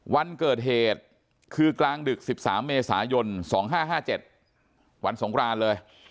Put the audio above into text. วันเกิดเหตุคือกลางดึก๑๓เมษายน๒๕๕๗วันสงครานเลย